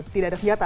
tidak ada senjata